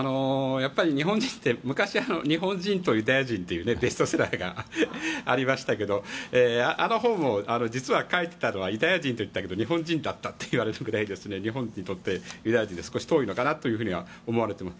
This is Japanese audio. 昔に日本人とユダヤ人のことを書いたベストセラーがありましたけどあの本も実は書いていたのはユダヤ人といったけど日本人だったというぐらい日本にとってユダヤ人は遠いのかなと思われている。